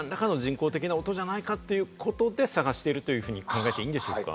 何らかの人工的な音じゃないかということで探しているというふうに考えていいんでしょうか？